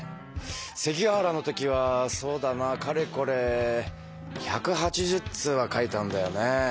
関ヶ原の時はそうだなかれこれ１８０通は書いたんだよね。